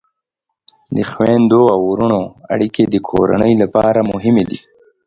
د خویندو او ورونو اړیکې د کورنۍ لپاره مهمې دي.